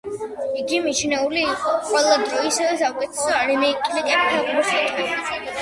იგი მიჩნეული ყველა დროის საუკეთესო ამერიკელ ფეხბურთელად.